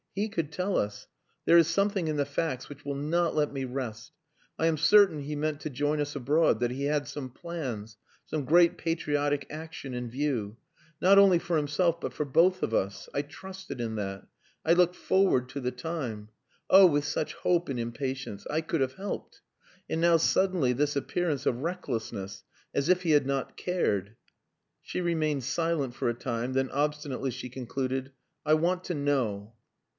He could tell us.... There is something in the facts which will not let me rest. I am certain he meant to join us abroad that he had some plans some great patriotic action in view; not only for himself, but for both of us. I trusted in that. I looked forward to the time! Oh! with such hope and impatience. I could have helped. And now suddenly this appearance of recklessness as if he had not cared...." She remained silent for a time, then obstinately she concluded "I want to know...."